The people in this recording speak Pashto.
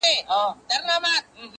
قاضي صاحبه ملامت نه یم؛ بچي وږي وه؛